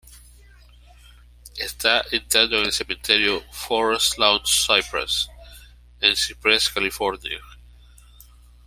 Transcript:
Está enterrado en el cementerio "Forest Lawn Cypress" en Cypress, California.